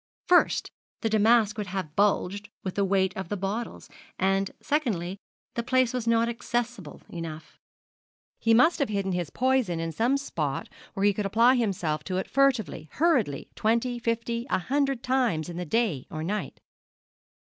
First the damask would have bulged with the weight of the bottles, and, secondly, the place was not accessible enough. He must have hidden his poison in some spot where he could apply himself to it furtively, hurriedly twenty, fifty, a hundred times in the day or night.